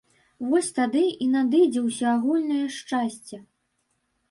Вось тады і надыдзе ўсеагульнае шчасце.